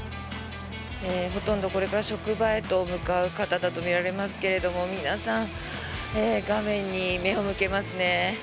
ほとんどこれから職場へと向かう方だとみられますが皆さん、画面に目を向けますね。